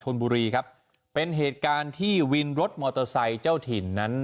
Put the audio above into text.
ชนบุรีครับเป็นเหตุการณ์ที่วินรถมอเตอร์ไซค์เจ้าถิ่นนั้น